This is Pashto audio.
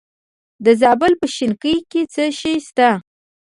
د زابل په شنکۍ کې څه شی شته؟